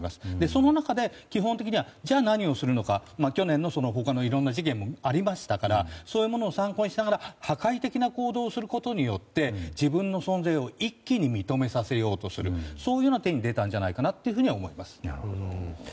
その中で、基本的にはじゃあ何をするのか去年の他のいろんな事件もありましたからそういうものを参考にして破壊的な行動をすることによって自分の存在を一気に認めさせようとするそういう手に出たんだと思います。